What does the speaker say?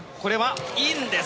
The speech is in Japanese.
インです。